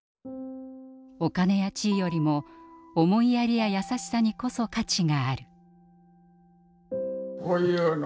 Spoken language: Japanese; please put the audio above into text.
お金や地位よりも思いやりや優しさにこそ価値がある。